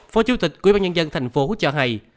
phó chủ tịch quyên bán nhân dân thành phố cho hay